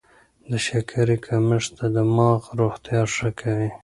د شکرې کمښت د دماغ روغتیا ښه کوي.